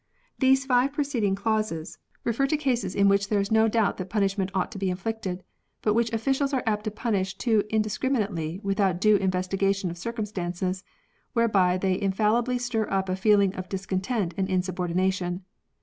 These five preceding clauses refer to cases in which TORTURE. 141 there is no doubt that punishment ought to be inflicted, but which officials are apt to punish too indiscriminately without due investi gation of circumstances, whereby they infallibly stir up a feeling of discontent and insubordination.